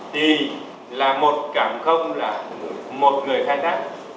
thì là một cảng không là một người khai thác